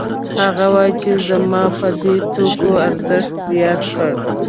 هغه وايي چې ما په دې توکو ارزښت زیات کړ